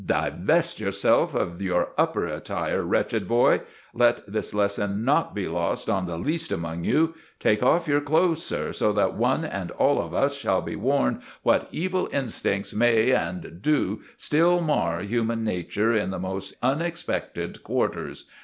"Divest yourself of your upper attire, wretched boy. Let this lesson not be lost on the least among us. Take off your clothes, sir, so that one and all of us shall be warned what evil instincts may, and do still mar human nature in the most unexpected quarters.